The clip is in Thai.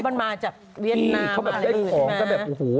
อ๋อมันมาจากเวียดนามอะไรอย่างนี้ใช่ไหม